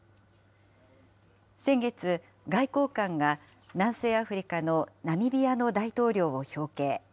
先月、外交官が南西アフリカのナミビアの大統領を表敬。